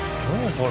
これ。